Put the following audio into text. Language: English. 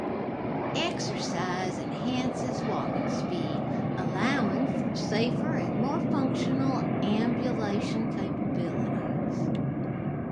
Exercise enhances walking speed, allowing for safer and more functional ambulation capabilities.